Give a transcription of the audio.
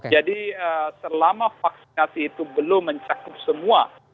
jadi selama vaksinasi itu belum mencakup semua